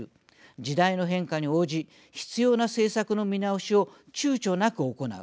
時代の変化に応じ必要な政策の見直しをちゅうちょなく行う。